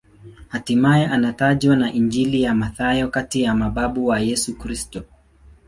Hatimaye anatajwa na Injili ya Mathayo kati ya mababu wa Yesu Kristo.